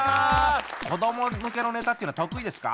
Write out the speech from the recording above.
子ども向けのネタっていうのは得意ですか？